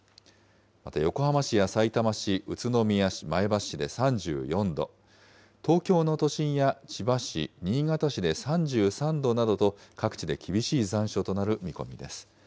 また横浜市やさいたま市、宇都宮市、前橋市で３４度、東京の都心や千葉市、新潟市で３３度などと、各地で厳しい残暑となる見込みです。